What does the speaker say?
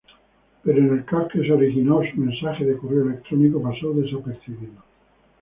Pero en el caos que se originó, su mensaje de correo electrónico pasó desapercibido.